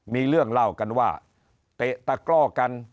มีเรื่องเล่ากันว่าเตะตะกร่อกัน